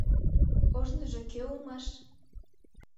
Ожныжо кӧ улмаш?